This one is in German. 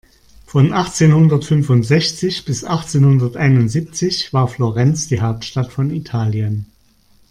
Von achtzehnhundertfünfundsechzig bis achtzehnhunderteinundsiebzig war Florenz die Hauptstadt von Italien.